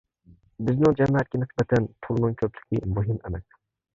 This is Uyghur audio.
بىزنىڭ جەمەتكە نىسبەتەن پۇلنىڭ كۆپلۈكى مۇھىم ئەمەس.